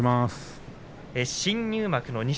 新入幕の錦